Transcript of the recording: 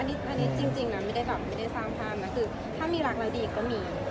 อันนี้จริงไม่ได้สร้างความถ้ามีรักแล้วดีก็มี